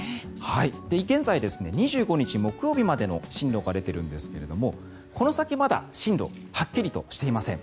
現在、２５日木曜日までの進路が出てるんですがこの先まだ進路はっきりとしていません。